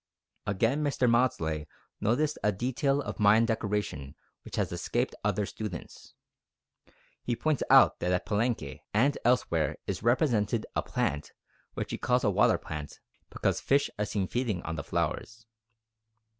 Again, Mr. Maudslay noticed a detail of Mayan decoration which has escaped other students. He points out that at Palenque and elsewhere is represented a plant which he calls a water plant because fish are seen feeding on the flowers.